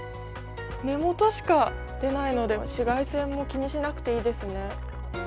目元しか出ないので紫外線も気にしなくていいですね。